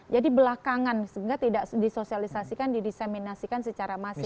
jadi belakangan sehingga tidak disosialisasikan didiseminasikan secara masif